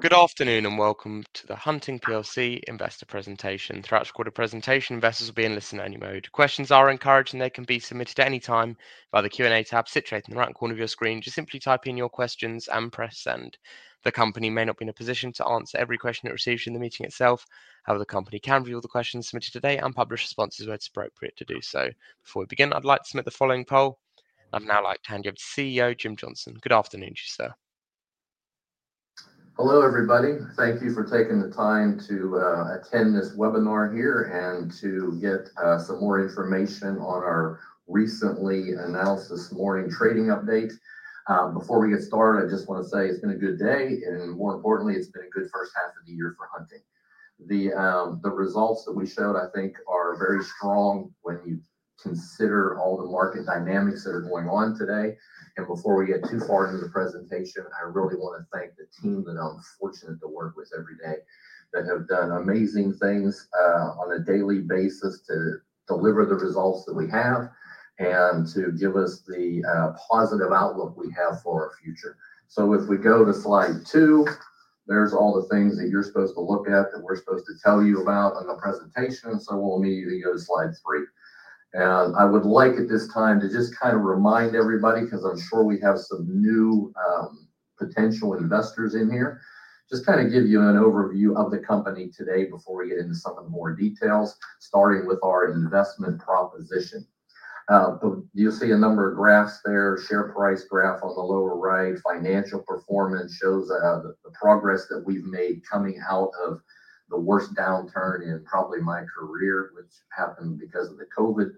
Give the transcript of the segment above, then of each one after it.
Good afternoon and welcome to the Hunting PLC Investor Presentation. Throughout the recorded presentation, investors will be in listen-only mode. Questions are encouraged and they can be submitted at any time by the Q&A tab situated in the right corner of your screen. Just simply type in your questions and press send. The company may not be in a position to answer every question it receives in the meeting itself. However, the company can view all the questions submitted today and publish responses where it's appropriate to do so. Before we begin, I'd like to submit the following poll. I'd now like to hand you over to CEO Jim Johnson, good afternoon to you, sir. Hello everybody. Thank you for taking the time to attend this webinar here and to get some more information on our recently announced this morning trading update. Before we get started, I just want to say it's been a good day and more importantly, it's been a good first half of the year. For Hunting, the results that we showed I think are very strong when you consider all the market dynamics that are going on today. Before we get too far into the presentation, I really want to thank the team that I'm fortunate to work with every day that have done amazing things on a daily basis to deliver the results that we have and to give us the positive outlook we have for our future. If we go to slide two, there's all the things that you're supposed to look at that we're supposed to tell you about on the presentation. We'll immediately go to slide three. I would like at this time to just kind of remind everybody because I'm sure we have some new potential investors in here. Just kind of give you an overview of the company today before we get into some of the more details, starting with our investment proposition. You'll see a number of graphs there. Share price graph on the lower right, financial performance shows the progress that we've made coming out of the worst downturn in probably my career, which happened because of the COVID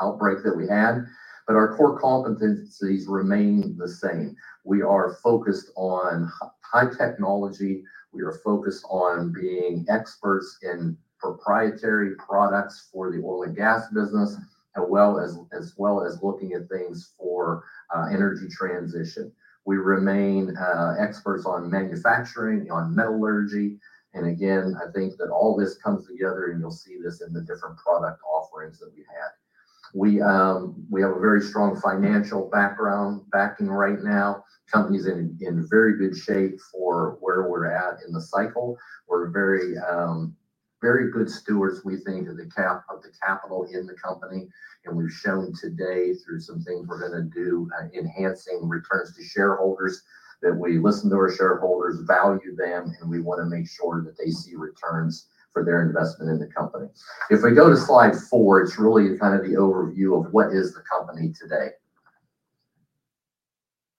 outbreak that we had. Our core competencies remain the same. We are focused on high technology. We are focused on being experts in proprietary products for the oil and gas business as well as looking at things for energy transition. We remain experts on manufacturing, on metallurgy and again, I think that all this comes together and you'll see this in the different product offerings that we had. We have a very strong financial backing right now, company is in very good shape for where we're at in the cycle. We're very, very good stewards. We think of the capital in the company. We've shown today through some things we're going to do enhancing returns to shareholders that we listen to, our shareholders value them and we want to make sure that they see returns for their investment in the company. If we go to slide four, it's really kind of the overview of what is the company today.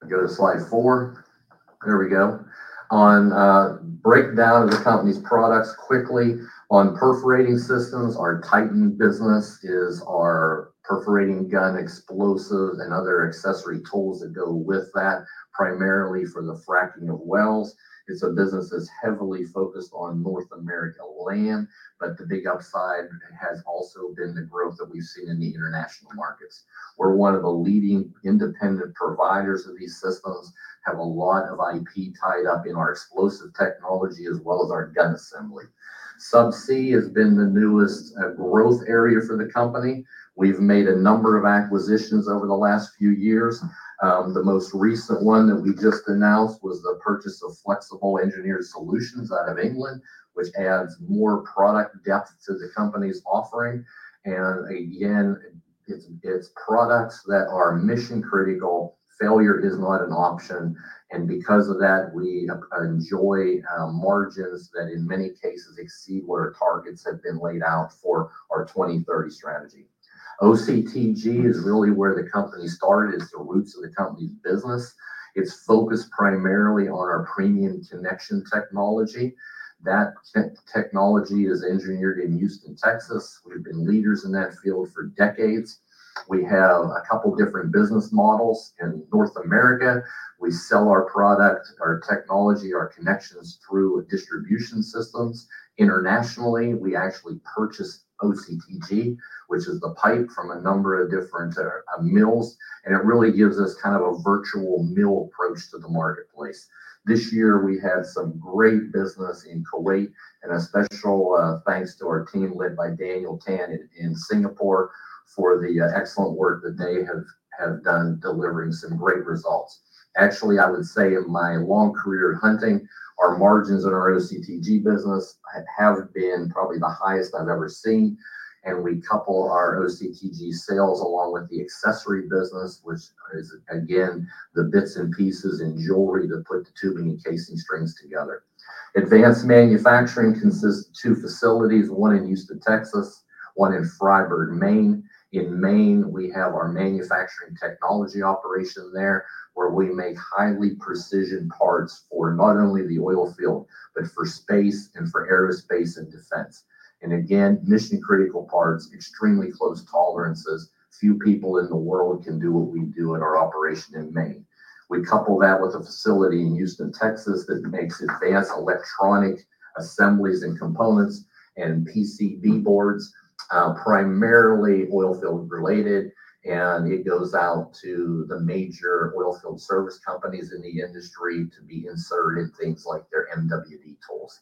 Go to slide four. There we go on breakdown of the company's products quickly on perforating systems. Our Titan business is our perforating gun, explosives, and other accessory tools that go with that, primarily for the fracking of wells. A business that's heavily focused on North America land, the big upside has also been the growth that we've seen in the international markets. We're one of the leading independent providers of these systems. We have a lot of IP tied up in our explosive technology as well as our gun assembly. Subsea has been the newest growth area for the company. We've made a number of acquisitions over the last few years. The most recent one that we just announced was the purchase of Flexible Engineered Solutions out of England, which adds more product depth to the company's offering. It's products that are mission-critical. Failure is not an option, and because of that, we enjoy margins that in many cases exceed what our targets have been laid out for our 2030 strategy. OCTG is really where the company started, is the roots of the company's business. It's focused primarily on our premium connection technology. That technology is engineered in Houston, Texas. We've been leaders in that field for decades. We have a couple different business models in North America. We sell our product, our technology, our connections through distribution systems internationally. We actually purchase OCTG, which is the pipe, from a number of different mills. It really gives us kind of a virtual mill approach to the marketplace. This year we had some great business in Kuwait, and a special thanks to our team led by Daniel Tan in Singapore for the excellent work that they have done. Delivering some great results, actually I would say in my long career at Hunting, our margins in our OCTG business have been probably the highest I've ever seen. We couple our OCTG sales along with the accessory business, which again, the bits and pieces and jewelry to put the tubing and casing strings together. Advanced Manufacturing consists of two facilities, one in Houston, Texas, one in Fryeburg, Maine. In Maine, we have our manufacturing technology operation there where we make highly precision parts for not only the oil field, but for space and for aerospace and defense. Mission critical parts, extremely close tolerances. Few people in the world can do what we do in our operation in Maine. We couple that with a facility in Houston, Texas that makes advanced electronic assemblies and components and PCB boards, primarily oil field related. It goes out to the major oil field service companies in the industry to be inserted in things like their MWD tools.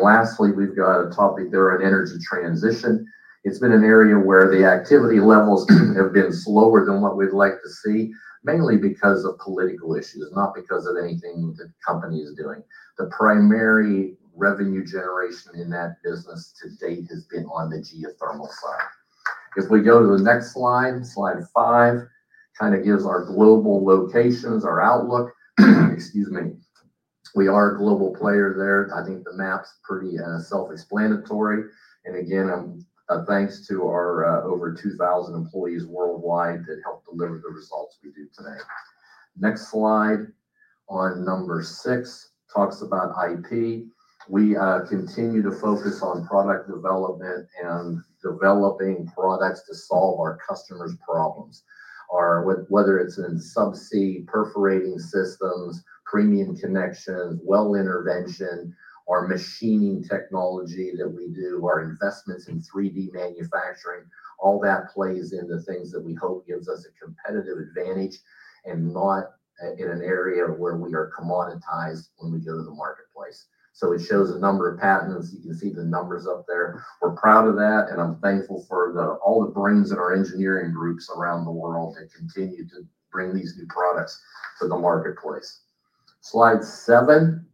Lastly, we've got a topic there in energy transition. It's been an area where the activity levels have been slower than what we'd like to see, mainly because of political issues, not because of anything that company is doing. The primary revenue generation in that business to date has been on the geothermal side. If we go to the next slide, slide five gives our global locations and our outlook. Excuse me, we are a global player there. I think the map's pretty self-explanatory, and again, I'm thankful to our over 2,000 employees worldwide that helped deliver the results we do today. Next slide, number six, talks about IP. We continue to focus on product development and developing products to solve our customers' problems. Whether it's in Subsea, perforating systems, premium connections, well intervention, our machining technology that we do, our investments in 3D manufacturing, all that plays into things that we hope gives us a competitive advantage and not in an area where we are commoditized when we go to the marketplace. It shows a number of patents. You can see the numbers up there. We're proud of that, and I'm thankful for all the brains in our engineering groups around the world to continue to bring these new products to the marketplace. Slide seven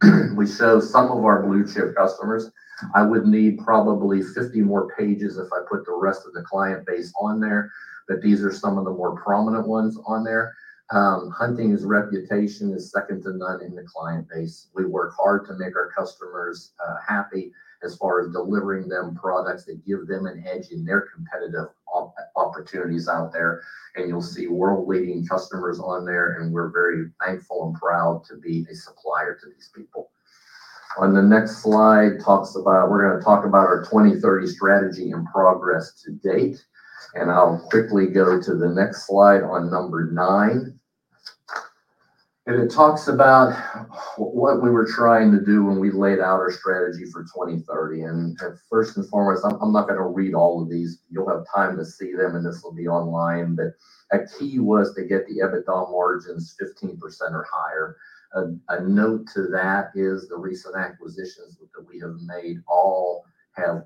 shows some of our blue chip customers. I would need probably 50 more pages if I put the rest of the client base on there, but these are some of the more prominent ones. Hunting's reputation is second to none in the client base. We work hard to make our customers happy as far as delivering them products that give them an edge in their competitive opportunities out there. You'll see world-leading customers on there, and we're very thankful and proud to be a supplier to these people. On the next slide, we're going to talk about our 2030 strategy and progress to date, and I'll quickly go to the next slide, number nine, and it talks about what we were trying to do when we laid out our strategy for 2030. First and foremost, I'm not going to read all of these. You'll have time to see them, and this will be online. A key was to get the EBITDA margins 15% or higher. A note to that is the recent acquisitions that we have made all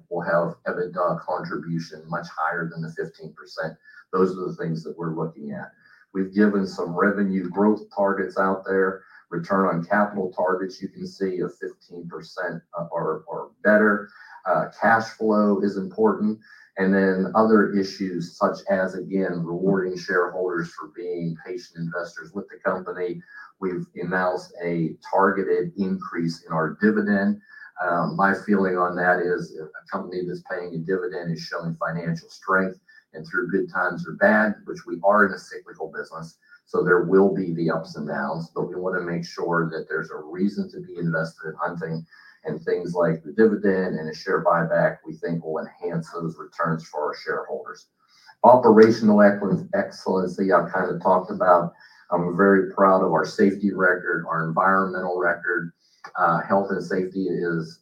will have EBITDA contribution much higher than the 15%. Those are the things that we're looking at. We've given some revenue growth targets out there, return on capital targets. You can see a 15% or better. Cash flow is important, and then other issues such as again rewarding shareholders for being patient investors with the company. We've announced a targeted increase in our dividend. My feeling on that is a company that's paying a dividend is showing financial strength, and through good times or bad, which we are in a cyclical business, so there will be the ups and downs, but we want to make sure that there's a reason to be invested in Hunting, and things like the dividend and a share buyback we think will enhance those returns for our shareholders. Operational excellency, I've kind of talked about. I'm very proud of our safety record, our environmental record. Health and safety is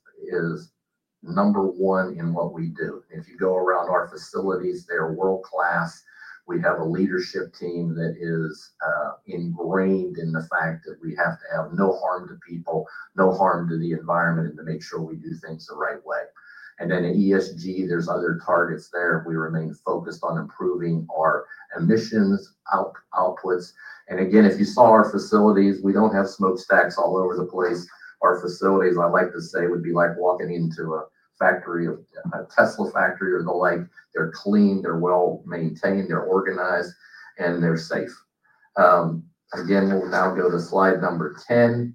number one in what we do. If you go around our facilities, they're world class. We have a leadership team that is ingrained in the fact that we have to have no harm to people, no harm to the environment, and to make sure we do things the right way. At ESG, there's other targets there. We remain focused on improving our emissions outputs. If you saw our facilities, we don't have smokestacks all over the place. Our facilities, I like to say, would be like walking into a factory of a Tesla factory or the like. They're clean, they're well maintained, they're organized, and they're safe. We'll now go to slide number 10,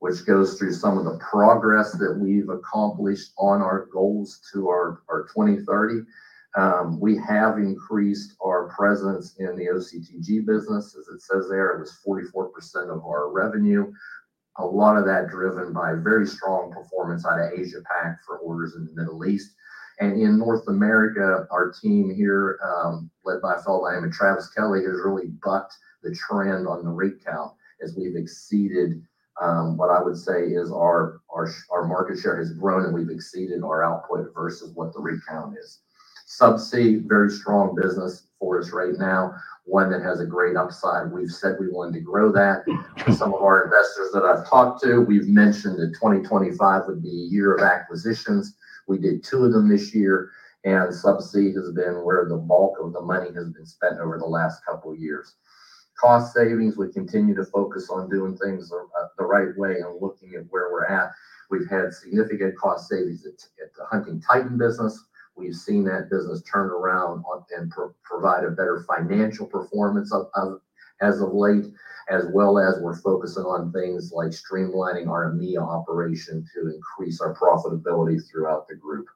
which goes through some of the progress that we've accomplished on our goals to our 2030. We have increased our presence in the OCTG business. As it says there, it was 44% of our revenue. A lot of that driven by very strong performance out of Asia-Pacific for orders in the Middle East and in North America. Our team here, led by a fellow by the name of Travis Kelly, has really bucked the trend on the rig count as we've exceeded, what I would say is our market share has grown and we've exceeded our output versus what the rig count is. Subsea, very strong business for us right now, one that has a great upside. We've said we wanted to grow that. Some of our investors that I've talked to, we've mentioned that 2025 would be a year of acquisitions. We did two of them this year, and Subsea has been where the bulk of the money has been spent over the last couple years. Cost savings, we continue to focus on doing things the right way and looking at where we're at. We've had significant cost savings at the Hunting Titan business. We've seen that business turn around and provide a better financial performance as of late, as well as we're focusing on things like streamlining our EMEA operation to increase our profit throughout the group.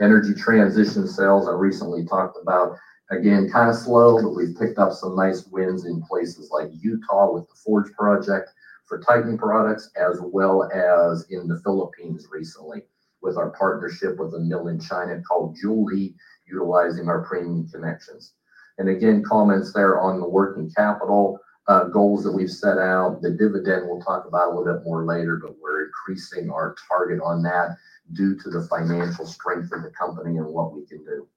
Energy transition sales I recently talked about again kind of slow, but we've picked up some nice wins in places like Utah with the Forge project for Titan products, as well as in the Philippines recently with our partnership with a mill in China called Jiuli, utilizing our premium connections. Again, comments there on the working capital goals that we've set out. The dividend we'll talk about a little bit more later, but we're increasing our target on that due to the financial strength of the company and what we can do.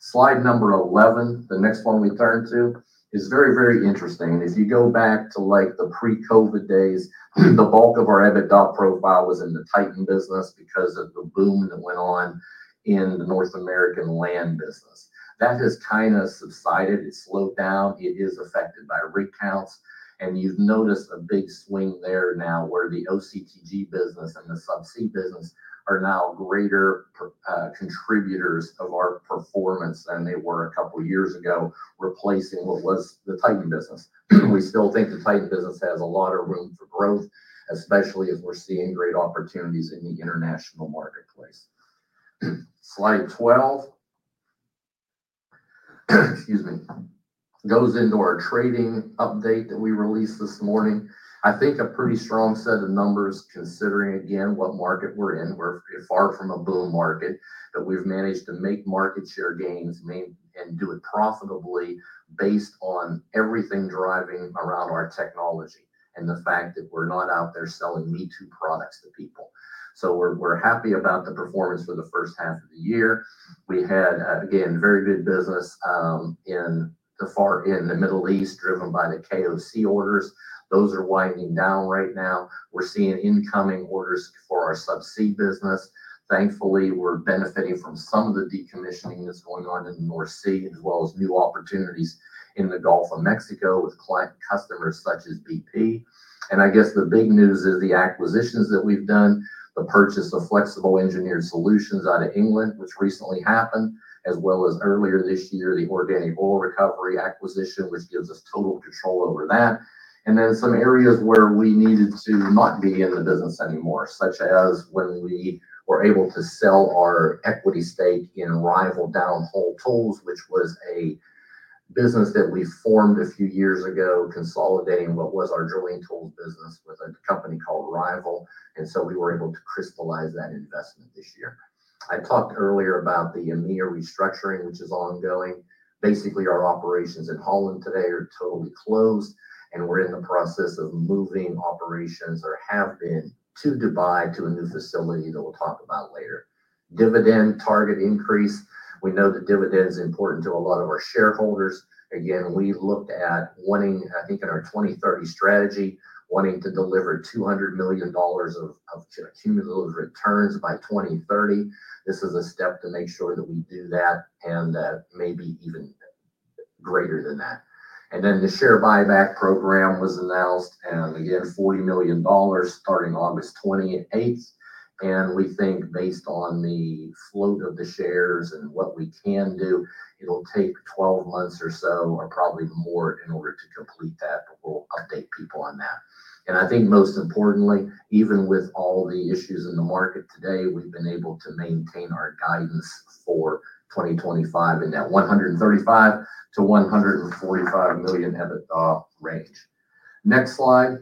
Slide number 11, the next one we turn to, is very, very interesting. If you go back to the pre-COVID days, the bulk of our EBITDA profile was in the Titan business because of the boom that went on in the North American land business. That has kind of subsided. It slowed down. It is affected by rig counts, and you've noticed a big swing there now where the OCTG business and the Subsea business are now greater contributors of our performance than they were a couple years ago, replacing what was the Titan business. We still think the Titan business has a lot of room for growth, especially as we're seeing great opportunities in the international marketplace. Slide 12 goes into our trading update that we released this morning. I think a pretty strong set of numbers considering again what market we're in. We're far from a boom market, but we've managed to make market share gains and do it profitably based on everything driving around our technology and the fact that we're not out there selling me too products to people. We're happy about the performance. For the first half of the year, we had again very good business in the Middle East driven by the KOC orders. Those are winding down. Right now we're seeing incoming orders for our Subsea business. Thankfully, we're benefiting from some of the decommissioning that's going on in the North Sea, as well as new opportunities in the Gulf of Mexico with client customers such as BP. The big news is the acquisitions that we've done, the purchase of Flexible Engineered Solutions out of England, which recently happened, as well as earlier this year the Organic Oil Recovery acquisition, which gives us total control over that. There were some areas where we needed to not be in the business anymore, such as when we were able to sell our equity stake in Rival Downhole Tools, which was a business that we formed a few years ago, consolidating what was our drilling tools business with a company called Rival. We were able to crystallize that investment this year. I talked earlier about the EMEA restructuring, which is ongoing. Basically, our operations in Holland today are totally closed and we're in the process of moving operations, or have been, to Dubai to a new facility that we'll talk about later. Dividend target increase—we know the dividend is important to a lot of our shareholders. We looked at wanting, I think in our 2030 strategy, to deliver $200 million of cumulative returns by 2030. This is a step to make sure that we do that and maybe even greater than that. The share buyback program was announced, $40 million starting August 28. We think based on the float of the shares and what we can do, it'll take 12 months or so, or probably more, in order to complete that. We'll update people on that. Most importantly, even with all the issues in the market today, we've been able to maintain our guidance for 2025 in that $135 million to $145 million EBITDA range. Next slide.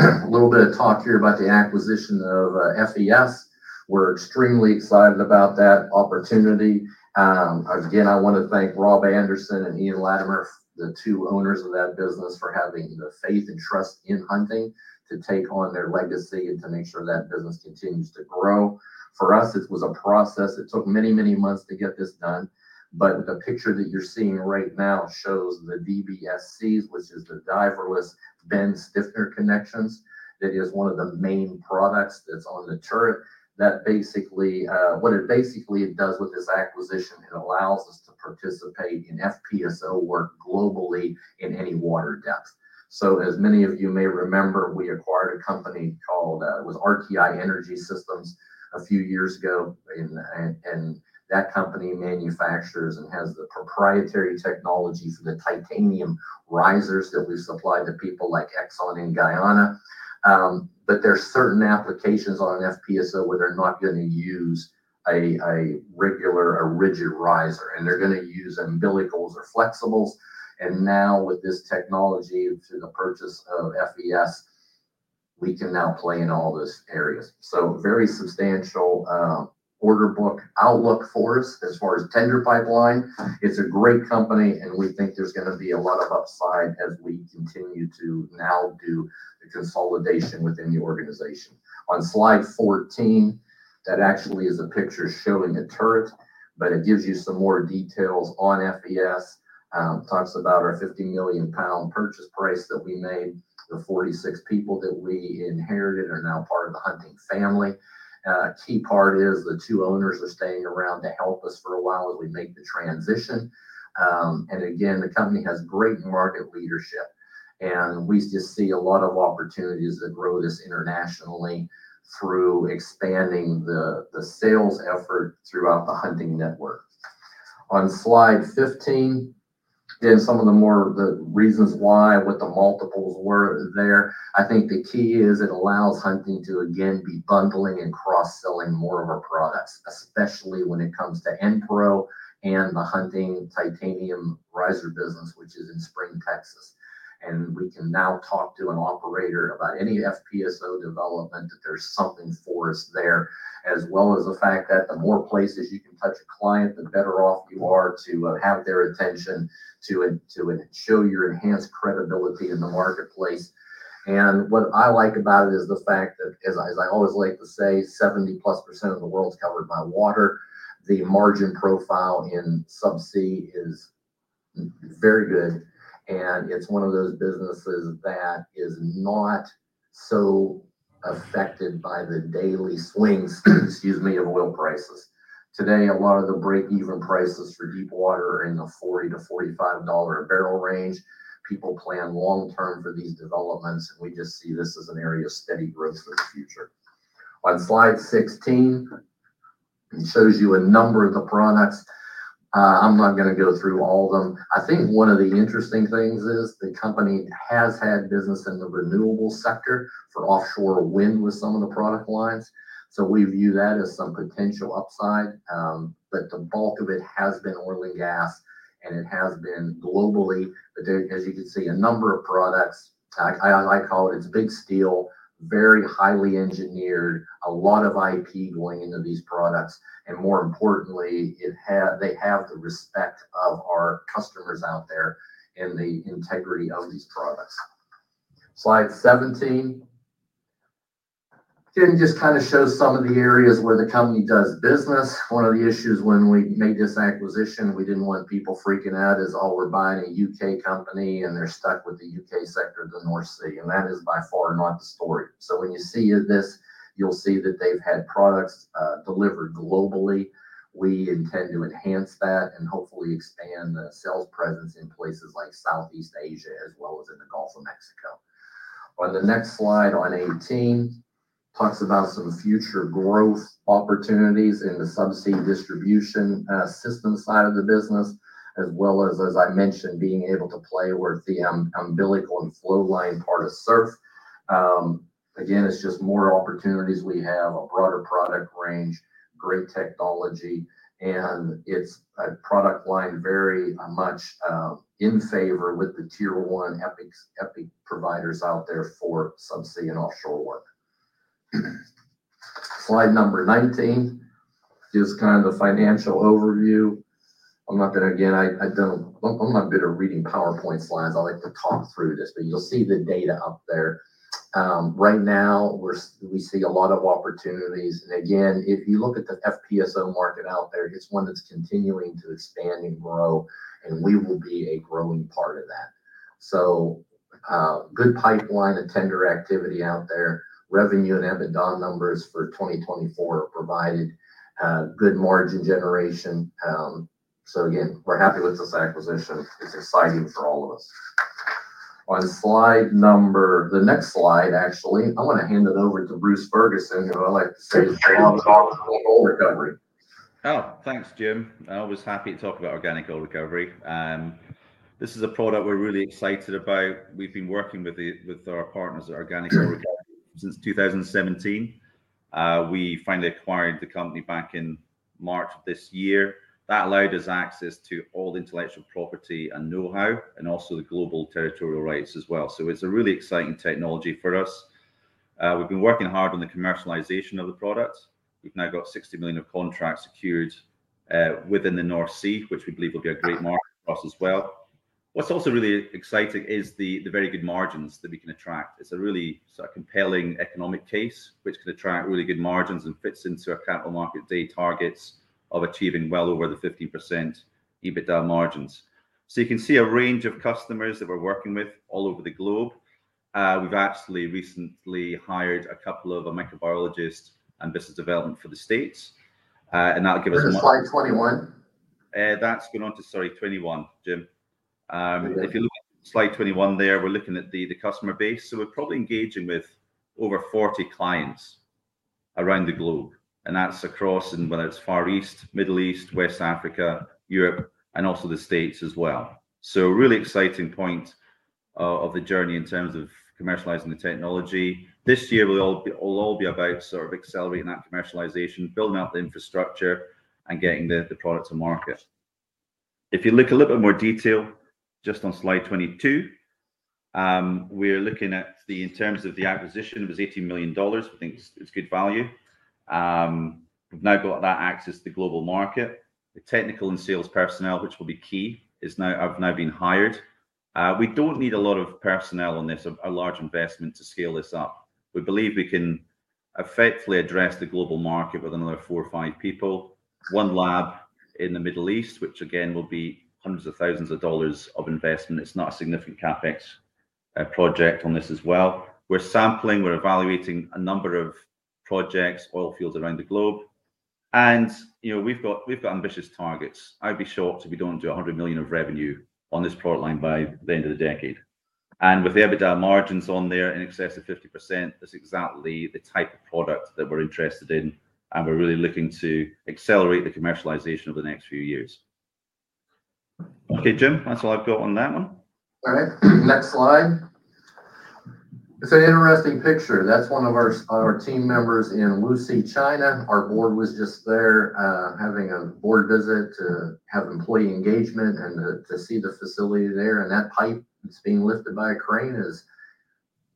A little bit of talk here about the acquisition of FES. We're extremely excited about that opportunity. I want to thank Rob Anderson and Ian Latimer, the two owners of that business, for having the faith and trust in Hunting to take on their legacy and to make sure that business continues to grow. For us, it was a process. It took many, many months to get this done. The picture that you're seeing right now shows the BBSC, which is the Diverless Bend Stiffener Connections, that is one of the main products that's on the turret. What it basically does with this acquisition is it allows us to participate in FPSO work globally in any water depth. As many of you may remember, we acquired a company called RTI Energy Systems a few years ago. That company manufactures and has the proprietary technology for the titanium risers that we supply to people like ExxonMobil and Guyana. There are certain applications on an FPSO where they're not going to use a regular, a rigid riser, and they're going to use umbilicals or flexibles. Now with this technology, through the purchase of FES, we can now play in all those areas. Very substantial order book outlook for us as far as Tender Pipeline. It's a great company and we think there's going to be a lot of upside as we continue to now do the consolidation within the organization. On slide 14, that actually is a picture showing a turret, but it gives you some more details on FES. It talks about our 50 million pound purchase price that we made. The 46 people that we inherited are now part of the Hunting family. A key part is the two owners are staying around to help us for a while as we make the transition. The company has great market leadership and we just see a lot of opportunities to grow this internationally through expanding the sales effort throughout the Hunting network. On slide 15, and some of the more of the reasons why, what the multiples were there. I think the key is it allows Hunting to again be bundling and cross selling more of our products, especially when it comes to NPRO and the Hunting Titanium riser business, which is in Spring, Texas. We can now talk to an operator about any FPSO development, that there's something for us there, as well as the fact that the more places you can touch a client, the better off you are to have their attention to show your enhanced credibility in the marketplace. What I like about it is the fact that, as I always like to say, 70%+ of the world's covered by water. The margin profile in Subsea is very good and it's one of those businesses that is not so affected by the daily swings of oil prices today. A lot of the break-even prices for deep water are in the $40-$45 a bbl range. People plan long term for these developments and we just see this as an area of steady growth for the future. On slide 16, it shows you a number of the products. I'm not going to go through all of them. I think one of the interesting things is the company has had business in the renewable sector for offshore wind with some of the product lines. We view that as some potential upside. The bulk of it has been oil and gas and it has been globally. As you can see, a number of products, I call it, it's big steel, very highly engineered, a lot of IP going into these products and, more importantly, they have the respect of our customers out there and the integrity of these products. Slide 17 can just kind of show some of the areas where the company does business. One of the issues when we made this acquisition, we didn't want people freaking out is all. We're buying a U.K. company and they're stuck with the U.K. sector, the North Sea. That is by far not the story. When you see this, you'll see that they've had products delivered globally. We intend to enhance that and hopefully expand the sales presence in places like Southeast Asia as well as in the Gulf of Mexico. On the next slide, 18, talks about some future growth opportunities in the subsea distribution system side of the business as well as, as I mentioned, being able to play with the umbilical and flow line part of Surf. Again, it's just more opportunities. We have a broader product range, great technology, and it's a product line very much in favor with the Tier 1 EPIC providers out there for subsea and offshore work. Slide number 19 is just kind of the financial overview. I'm not going to, again, I don't, I'm not bitter reading PowerPoint slides. I like to talk through this, but you'll see the data up there. Right now, we see a lot of opportunities and again if you look at the FPSO market out there, it's one that's continuing to expand and grow and we will be a growing part of that. Good pipeline of tender activity out there. Revenue and EBITDA numbers for 2024 provided good margin generation. Again, we're happy with this acquisition. It's exciting for all of us. On slide number, the next slide, actually I want to hand it over to Bruce Ferguson who I like to say. Oh, thanks, Jim. Always happy to talk about Organic Oil Recovery. This is a product we're really excited about. We've been working with our partners at [Organic] since 2017. We finally acquired the company back in March of this year. That allowed us access to all the intellectual property and know-how and also the global territorial rights as well. It's a really exciting technology for us. We've been working hard on the commercialization of the product. We've now got $60 million of contracts secured within the North Sea, which we believe will be a great market as well. What's also really exciting is the very good margins that we can attract. It's a really compelling economic case, which can attract really good margins and fits into our Capital Market Day targets of achieving well over the 15% EBITDA margins. You can see a range of customers that we're working with all over the globe. We've actually recently hired a couple of microbiologists and business development for the States, and That'll give us slide 21. That's going on to slide 21, Jim. If you look at slide 21 there, we're looking at the customer base. We're probably engaging with over 40 clients around the globe, and that's across whether it's Far East, Middle East, West Africa, Europe, and also the States as well. Really exciting point of the journey in terms of commercializing the technology. This year will all be about accelerating that commercialization, building up the infrastructure, and getting the product to market. If you look in a little bit more detail just on slide 22, we're looking at the, in terms of the acquisition, it was $18 million. I think it's good value. We've now got that access to the global market. The technical and sales personnel, which will be key, have now been hired. We don't need a lot of personnel on this, a large investment to scale this up. We believe we can effectively address the global market with another four or five people. One lab in the Middle East, which again will be hundreds of thousands of dollars of investment. It's not a significant CapEx project on this as well. We're sampling, we're evaluating a number of projects, oil fields around the globe, and we've got ambitious targets. I'd be shocked if we don't do $100 million of revenue on this product line by the end of the decade, and with the EBITDA margins on there in excess of 50%. That's exactly the type of product that we're interested in, and we're really looking to accelerate the commercialization over the next few years. Okay, Jim, that's all I've got on that one. Next slide. It's an interesting picture. That's one of our team members in Wuxi, China. Our board was just there having a board visit to have employee engagement and to see the facility there. That pipe that's being lifted by a crane is,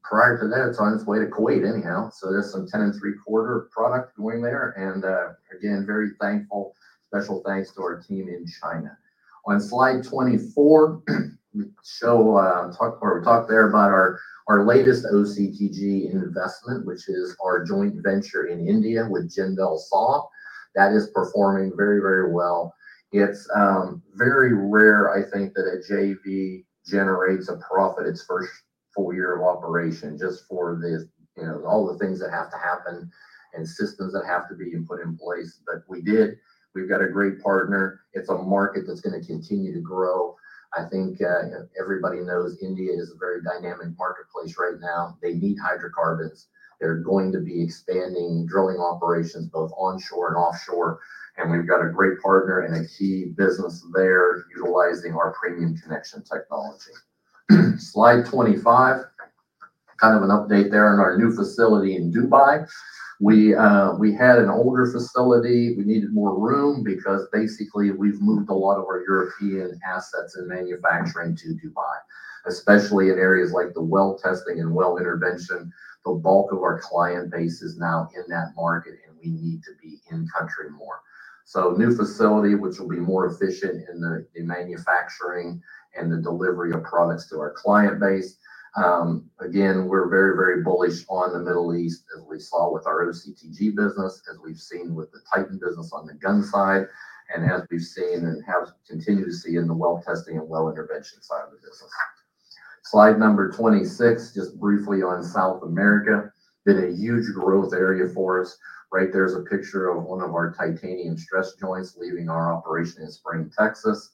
prior to that, on its way to Kuwait anyhow. There's some 10 and three quarter product going there. Again, very thankful. Special thanks to our team in China. On slide 24, we talked there about our latest OCTG investment, which is our joint venture in India with Jindal Saw that is performing very, very well. It's very rare, I think, that a JV generates a profit its first full year of operation, just for this, you know, all the things that have to happen and systems that have to be put in place. We did, we've got a great partner. It's a market that's going to continue to grow. I think everybody knows India is a very dynamic marketplace right now. They need hydrocarbons. They're going to be expanding drilling operations both onshore and offshore. We've got a great partner and a key business there utilizing our premium connection technology. Slide 25, kind of an update there in our new facility in Dubai. We had an older facility, we needed more room because basically we've moved a lot of our European assets in manufacturing to Dubai, especially in areas like the well testing and well intervention. The bulk of our client base is now in that market and we need to be in country more. New facility, which will be more efficient in the manufacturing and the delivery of products to our client base. Again, we're very, very bullish on the Middle East as we saw with our OCTG business, as we've seen with the Titan business on the gun side, and as we've seen and have continued to see in the well testing and well intervention side of the business. Slide number 26, just briefly on South America, been a huge growth area for us. Right there's a picture of one of our titanium stress joints leaving our operation in Spring, Texas.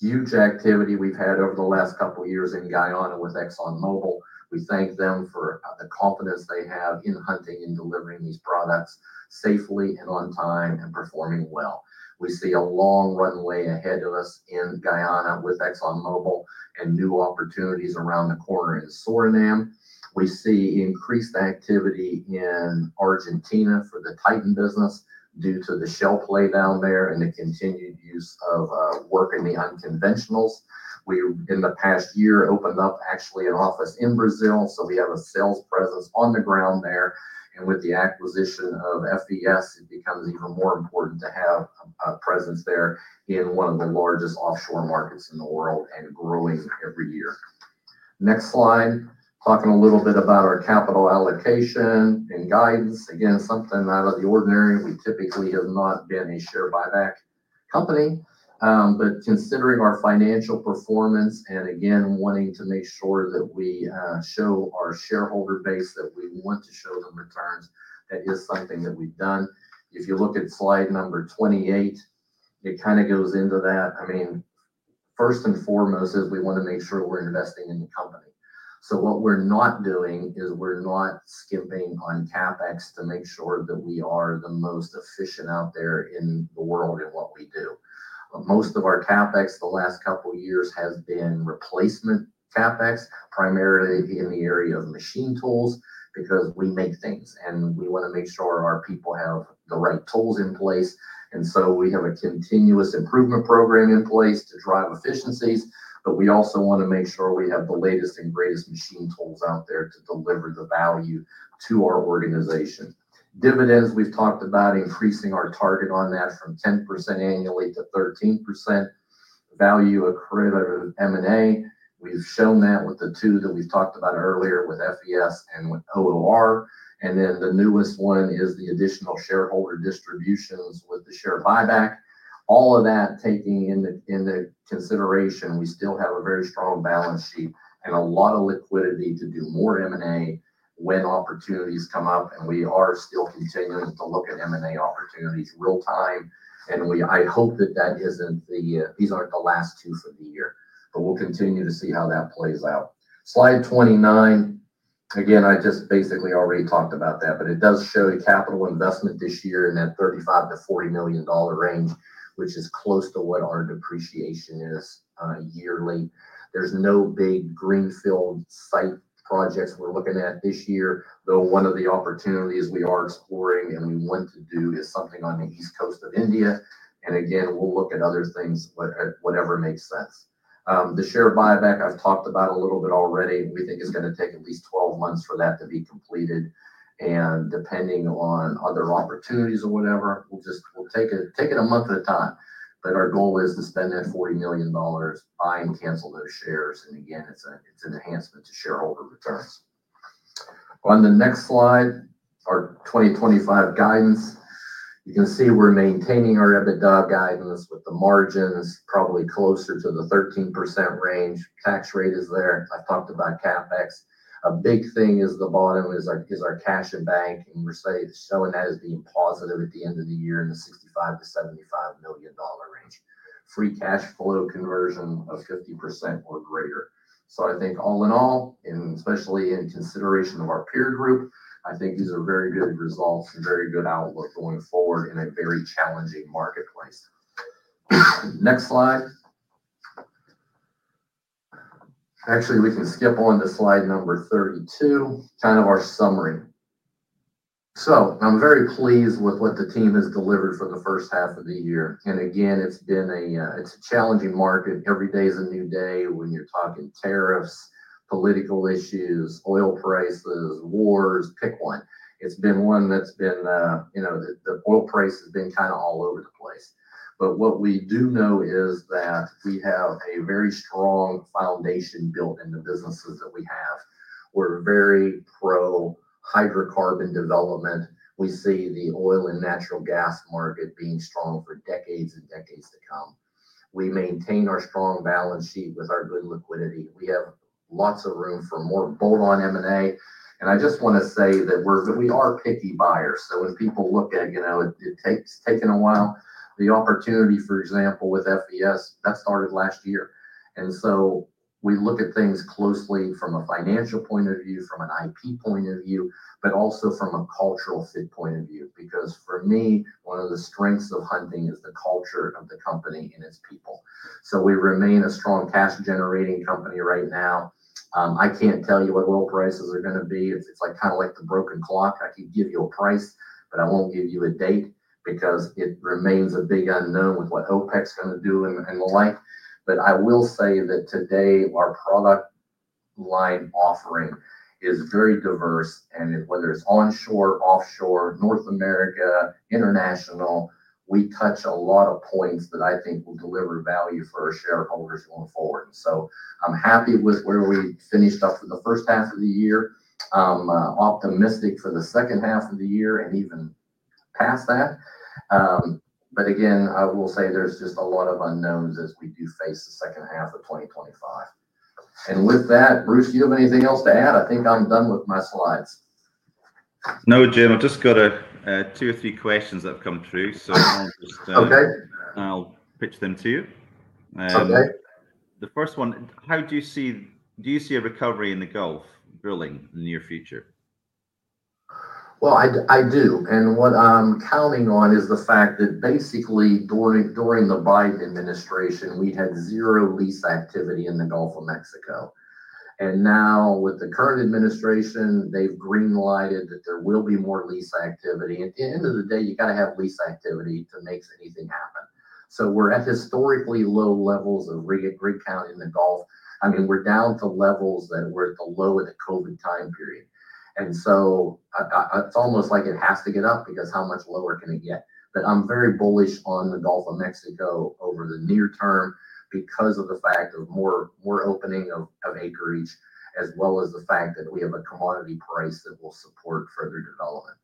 Huge activity we've had over the last couple years in Guyana with ExxonMobil. We thank them for the confidence they have in Hunting and delivering these products safely and on time and performing well. We see a long runway ahead of us in Guyana with ExxonMobil and new opportunities around the corner in Suriname. We see increased activity in Argentina for the Titan business due to the shale play down there and the continued use of work in the unconventionals. We in the past year opened up actually an office in Brazil. We have a sales presence on the ground there. With the acquisition of FES, it becomes even more important to have a presence there in one of the largest offshore markets in the world and growing every year. Next slide. Talking a little bit about our capital allocation and guidance. Again, something out of the ordinary. We typically have not been a share buyback company, but considering our financial performance and again wanting to make sure that we show our shareholder base that we want to show them returns, that is something that we've done. If you look at slide number 28, it kind of goes into that. First and foremost is we want to make sure we're investing in the company. What we're not doing is we're not skimping on CapEx to make sure that we are the most efficient out there in the world in what we do. Most of our CapEx the last couple years has been replacement CapEx, primarily in the area of machine tools because we make things and we want to make sure our people have the right tools in place. We have a continuous improvement program in place to drive efficiencies, but we also want to make sure we have the latest and greatest machine tools out there to deliver the value to our organization. Dividends. We've talked about increasing our target, that from 10% annually to 13%. Value-accretive M&A, we've shown that with the two that we've talked about earlier with FES and OOR, and then the newest one is the additional shareholder distributions with the share buyback. All of that taken into consideration, we still have a very strong balance sheet and a lot of liquidity to do more M&A when opportunities come up. We are still continuing to look at M&A opportunities real time. I hope that these aren't the last two for the year, but we'll continue to see how that plays out. Slide 29. Again, I just basically already talked about that, but it does show the capital investment this year in that $35 million to $40 million range, which is close to what our depreciation is yearly. There's no big greenfield site projects we're looking at this year though. One of the opportunities we are exploring and we want to do is something on the east coast of India, and again we'll look at other things, whatever makes sense. The share buyback I've talked about a little bit already. We think it's going to take at least 12 months for that to be completed, and depending on other opportunities or whatever, we'll just take it a month at a time. Our goal is to spend that $40 million, buy and cancel those shares, and again, it's an enhancement to shareholder returns. On the next slide, our 2025 guidance, you can see we're maintaining our EBITDA guidance with the margins probably closer to the 13% range. Tax rate is there. I've talked about CapEx. A big thing is the bottom, is our cash and bank, and we're showing that as being positive at the end of the year in the $65 to $75 million range. Free cash flow conversion of 50% or greater. I think all in all, and especially in consideration of our peer group, I think these are very good results and very good outlook going forward in a very challenging marketplace. Next slide, actually, we can skip on to slide number 32, kind of our summary. I'm very pleased with what the team has delivered for the first half of the year. Again, it's been a challenging market. Every day is a new day when you're talking tariffs, political issues, oil prices, wars. Pick one. It's been one that's been, you know, the oil price has been kind of all over the place. What we do know is that we have a very strong foundation built in the businesses that we have. We're very pro hydrocarbon development. We see the oil and natural gas market being strong for decades and decades to come. We maintain our strong balance sheet with our good liquidity. We have lots of room for more bolt-on M&A. I just want to say that we are picky buyers. When people look at, you know, it takes taken a while, the opportunity for example with FES, that started last year. We look at things closely from a financial point of view, from an IP point of view, but also from a cultural fit point of view. For me, one of the strengths of Hunting is the culture of the company and its people. We remain a strong cash-generating company. Right now I can't tell you what oil prices are going to be. It's kind of like the broken clock. I could give you a price, but I won't give you a date because it remains a big unknown with what OpEx is going to do and the like. I will say that today our product line offering is very diverse, and whether it's onshore, offshore, North America, or international, we touch a lot of points that I think will deliver value for our shareholders going forward. I'm happy with where we finished up for the first half of the year, optimistic for the second half of the year and even past that. I will say there's just a lot of unknowns as we do face the second half of 2025. With that, Bruce, do you have anything else to add? I think I'm done with my slides. No Jim, I've just got two or three questions that have come through, so I'll pitch them to you. The first one, do you see a recovery in the Gulf drilling in the near future? I do. What I'm counting on is the fact that basically during the Biden administration we had zero lease activity in the Gulf of Mexico. Now with the current administration, they've greenlighted that there will be more lease activity at the end of the day. You got to have lease activity to make anything happen. We're at historically low levels of rig count in the Gulf. I mean we're down to levels that were at the low of the COVID time period. It's almost like it has to get up because how much lower can it get? I'm very bullish on the Gulf of Mexico over the near term because of the fact of more opening of acreage as well as the fact that we have a commodity price that will support further development.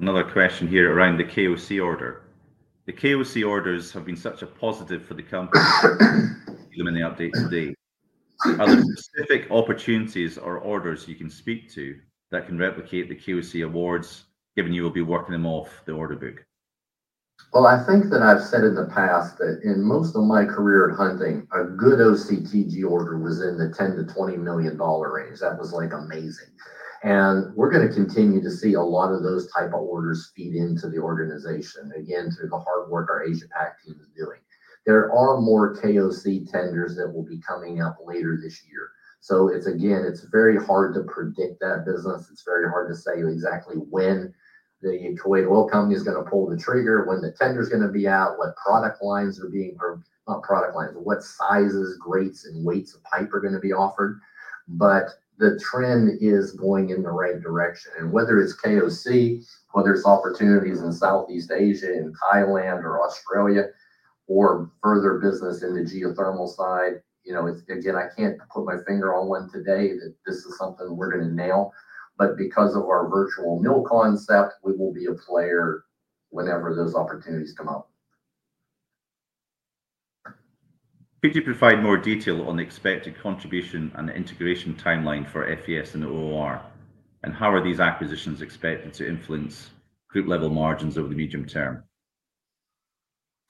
Another question here around the KOC order. The KOC orders have been such a positive for the company. Are there specific opportunities or orders you can speak to that can replicate the KOC awards given you will be working them off the order book? I think that I've said in the past that in most of my career at Hunting a good OCTG order was in the $10 million to $20 million range. That was like amazing. We're going to continue to see a lot of those type of orders feed into the organization again through the hard work our Asia-Pacific team is doing. There are more KOC tenders that will be coming out later this year. It's very hard to predict that business. It's very hard to say exactly when the [Kuwait Oil Company] is going to pull the trigger, when the tender is going to be out, what product lines are being provided, not product lines, what sizes, grades, and weights of pipe are going to be offered. The trend is going in the right direction. Whether it's KOC whether it's opportunities in Southeast Asia, in Thailand or Australia, or further business in the geothermal side, I can't put my finger on one today that this is something we're going to nail. Because of our virtual mill concept, we will be a player whenever those opportunities come up. Could you provide more detail on the expected contribution and integration timeline for FES and OOR, and how are these acquisitions expected to influence group level margins over the medium term?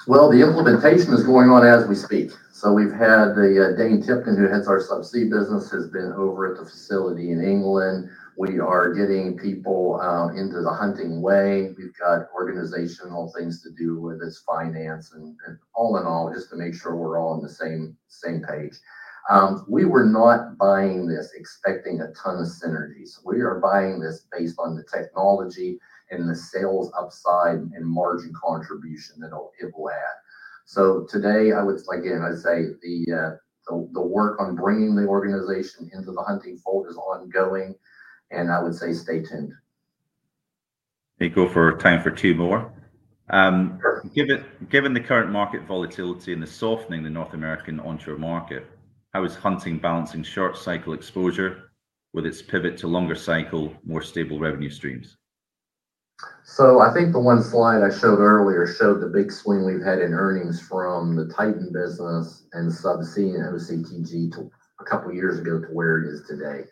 The implementation is going on as we speak. Dane Tipton, who heads our Subsea business, has been over at the facility in England. We are getting people into the Hunting way. We've got organizational things to do with this, finance and all, just to make sure we're all on the same page. We were not buying this expecting a ton of synergies. We are buying this based on the technology and the sales upside and margin contribution that it will add. Today, I'd say the work on bringing the organization into the Hunting fold is ongoing and I would say stay tuned. Go for time for two more. Given the current market volatility and the softening in the North American onshore market, how is Hunting balancing short-cycle exposure with its pivot to longer-cycle, more stable revenue streams? I think the one slide I showed earlier showed the big swing we've had in earnings from the Titan business and Subsea and OCTG a couple years ago to where it is today.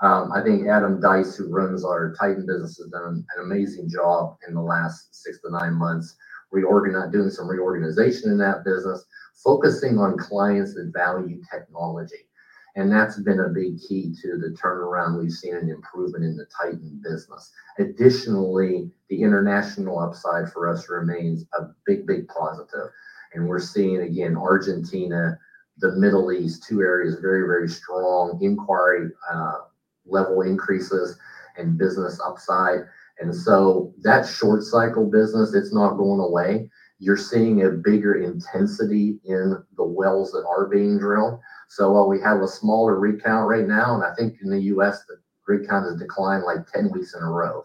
I think Adam Dyess, who runs our Titan business, has done an amazing job in the last six to nine months, doing some reorganization in that business, focusing on clients that value technology, and that's been a big key to the turnaround. We've seen an improvement in the Titan business. Additionally, the international upside for us remains a big, big positive, and we're seeing again, Argentina and the Middle East, two areas with very, very strong inquiry level increases and business upside. That short-cycle business is not going away. You're seeing a bigger intensity in the wells that are being drilled. While we have a smaller rig count right now, and I think in the U.S. the rig count has declined like 10 weeks in a row,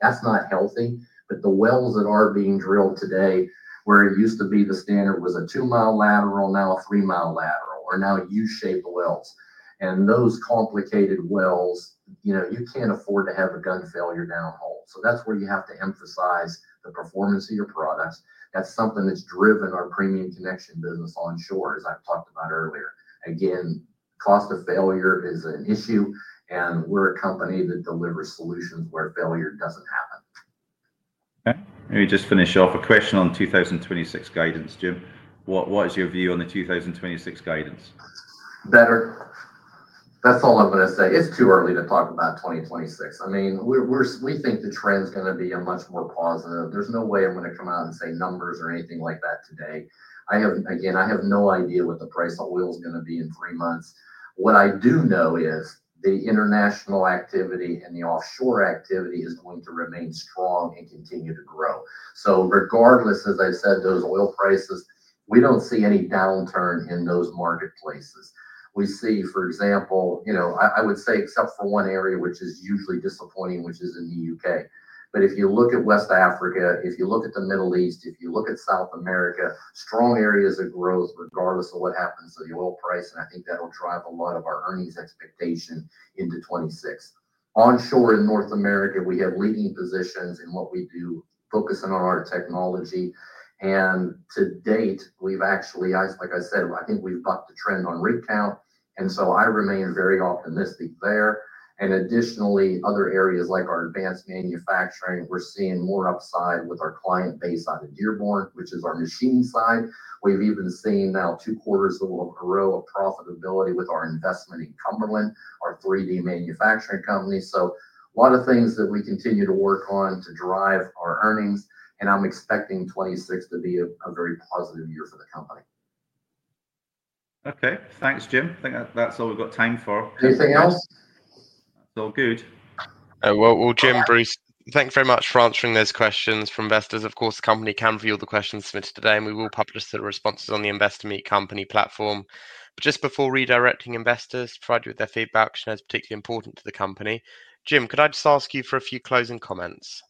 that's not healthy. The wells that are being drilled today, where it used to be the standard was a two-mile lateral, now a three-mile lateral or now U-shaped wells, and those complicated wells, you know, you can't afford to have a gun failure down hole. That's where you have to emphasize the performance of your products. That's something that's driven our premium connection business onshore. As I talked about earlier, cost of failure is an issue, and we're a company that delivers solutions where failure doesn't happen. Let me just finish off a question on 2026 guidance, Jim. What is your view on the 2026 guidance? Better. That's all I'm going to say. It's too early to talk about 2026. I mean, we think the trend is going to be much more positive. There's no way I'm going to come out and say numbers or anything like that today. I have, again, I have no idea what the price of oil is going to be in three months. What I do know is the international activity and the offshore activity is going to remain strong and continue to grow. Regardless, as I said, those oil prices, we don't see any downturn in those marketplaces. We see, for example, I would say, except for one area, which is usually disappointing, which is in the U.K. If you look at West Africa, if you look at the Middle East, if you look at South America, strong areas of growth, regardless of what happens to the oil price. I think that'll drive a lot of our earnings expectation into 2026. Onshore in North America, we have leading positions in what we do, focusing on our technology. To date we've actually, like I said, I think we've bucked the trend on rig count and I remain very optimistic there. Additionally, other areas like our Advanced Manufacturing, we're seeing more upside with our client base out of Dearborn, which is our machine side. We've even seen now two quarters in a row of profitability with our investment in Cumberland, our 3D manufacturing company. A lot of things that we continue to work on to drive our earnings. I'm expecting 2026 to be a very positive year for the company. Okay, thanks, Jim. That's all we've got time for. Anything else? It's all good. Jim, Bruce, thank you very much for answering those questions from investors. Of course, the company can view all the questions submitted today, and we will publish the responses on the Investor Meet Company platform. Just before redirecting, investors, providing you with their feedback is particularly important to the company. Jim, could I just ask you for a few closing comments?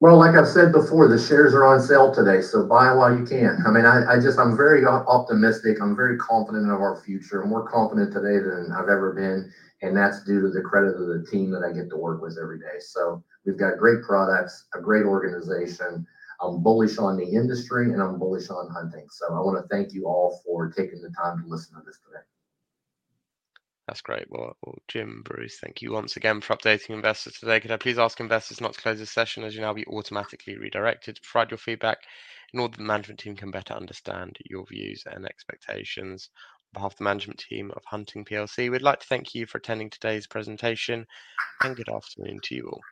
Like I've said before, the shares are on sale today, so buy while you can. I'm very optimistic. I'm very confident of our future, more confident today than I've ever been. That's due to the credit of the team that I get to work with every day. We've got great products, a great organization. I'm bullish on the industry and I'm bullish on Hunting. I want to thank you all for taking the time to listen to this today. That's great. Jim, Bruce, thank you once again for updating investors today. Could I please ask investors not to close this session as you will now be automatically redirected to provide your feedback in order that the management team can better understand your views and expectations. On behalf of the management team of Hunting PLC, we'd like to thank you for attending today's presentation and good afternoon to you all.